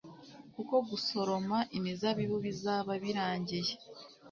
kuko gusoroma imizabibu bizaba birangiye